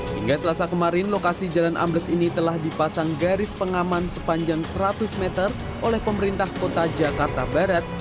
hingga selasa kemarin lokasi jalan ambles ini telah dipasang garis pengaman sepanjang seratus meter oleh pemerintah kota jakarta barat